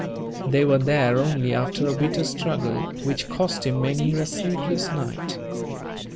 They were there only after a bitter struggle which cost him many a sleepless night.